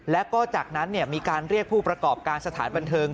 แล้วก็จากนั้นมีการเรียกผู้ประกอบการสถานบันเทิง